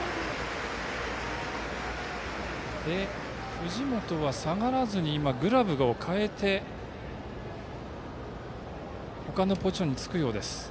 藤本は下がらずにグラブを変えて他のポジションにつくようです。